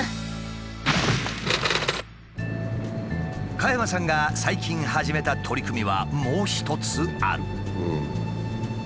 加山さんが最近始めた取り組みはもう一つある。